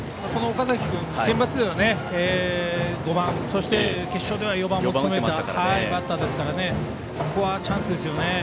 岡崎君、センバツでは５番そして、決勝では４番を務めたバッターですからここはチャンスですよね。